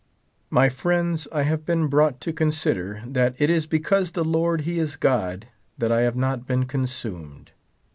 My friends, I have been brought to consider that it is because the Lord he is God that I have not been con sumed.